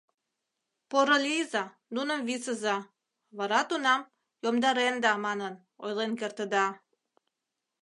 Порылийза, нуным висыза, вара тунам, «йомдаренда» манын, ойлен кертыда.